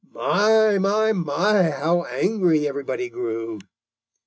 "] "My, my, my, how angry everybody grew!